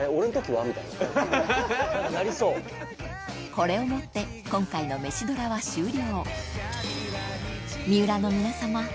これをもって今回の『メシドラ』は終了